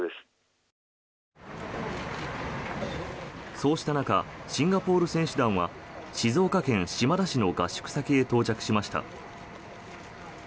そうした中シンガポール選手団は静岡県島田市の合宿先へ到着しました。